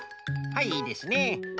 はいいいですね。